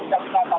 terima kasih pak